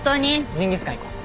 ジンギスカン行こう。